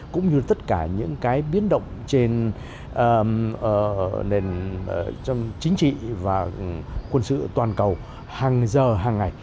cũng như tất cả những cái biến động trên nền chính trị và quân sự toàn cầu hàng giờ hàng ngày